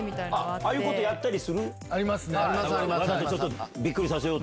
ああいうことやったりする？